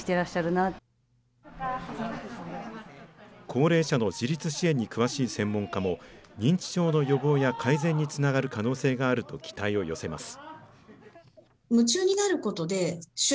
高齢者の自立支援に詳しい専門家も、認知症の予防や改善につながる可能性があると期待を寄せます。